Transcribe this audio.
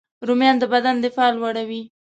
رومیان د بدن دفاع لوړوي